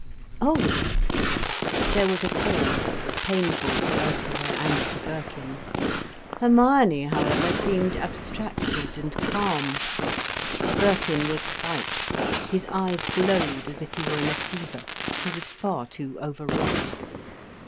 "Oh." There was a pause, painful to Ursula and to Birkin. Hermione however seemed abstracted and calm. Birkin was white, his eyes glowed as if he were in a fever, he was far too over wrought.